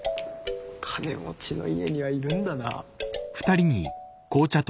金持ちの家にはいるんだな。